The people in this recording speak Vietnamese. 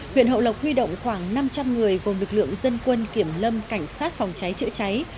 huyện hậu lộc huy động khoảng năm trăm linh người gồm lực lượng dân quân kiểm lâm cảnh sát phòng cháy chữa cháy